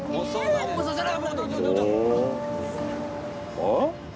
あっ？